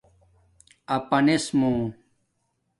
اپانس مُو